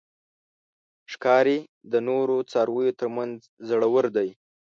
ښکاري د نورو څارویو تر منځ زړور دی.